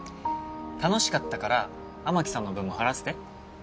楽しかったから雨樹さんの分も払わせて。